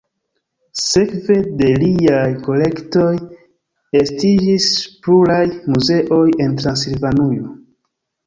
Sekve de liaj kolektoj estiĝis pluraj muzeoj en Transilvanujo.